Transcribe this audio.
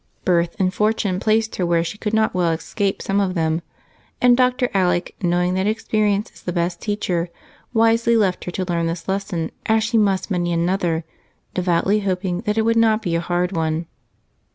Birth and fortune placed her where she could not well escape some of them, and Dr. Alec, knowing that experience is the best teacher, wisely left her to learn this lesson as she must many another, devoutly hoping that it would not be a hard one.